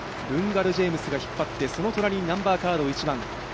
ルンガル・ジェームスが引っ張ってその隣にナンバーカード１番